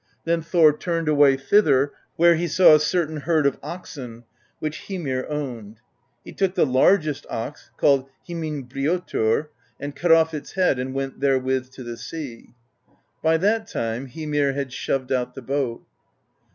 Then Thor turned away thither where he saw a certain herd of oxen, which Hymir owned; he took the largest ox, called Himinbrjotr,' and cut off its head and went therewith to the sea. By that time Hymir had shoved out the boat.